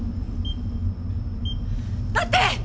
待って！